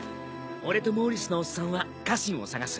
俺とモーリスのおっさんは家臣を捜す。